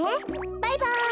バイバイ！